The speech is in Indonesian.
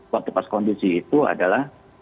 waktu pas kondisi itu adalah